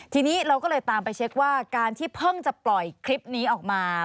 ทีนี้เราก็เลยตามไปเช็คว่าการที่เพิ่งจะปล่อยคลิปนี้ออกมา